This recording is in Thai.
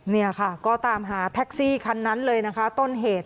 นี่ค่ะก็ตามหาแท็กซี่คันนั้นเลยนะคะต้นเหตุ